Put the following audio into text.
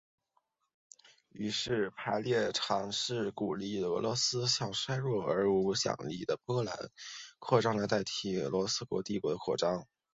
于是腓特烈尝试鼓励俄罗斯向衰弱而无影响力的波兰扩张来代替向奥斯曼帝国的扩张。